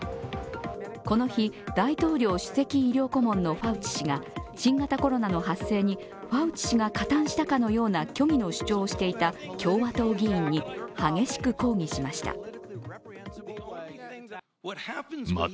この日、大統領首席医療顧問のファウチ氏が新型コロナの発生にファウチ氏が加担したかのような虚偽の主張をしていた共和党議員に激しく抗議しました。